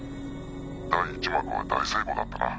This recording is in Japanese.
「第一幕は大成功だったな」